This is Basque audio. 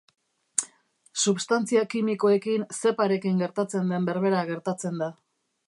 Substantzia kimikoekin zeparekin gertatzen den berbera gertatzen da.